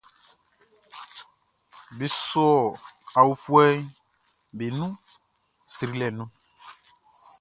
Be sɔ aofuɛʼm be nun srilɛ nun.